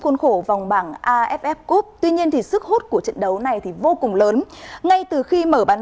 khuôn khổ vòng bảng aff coupe tuy nhiên sức hút của trận đấu này vô cùng lớn ngay từ khi mở bán